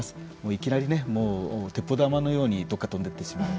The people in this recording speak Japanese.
いきなり鉄砲玉のようにどこか飛んでってしまう。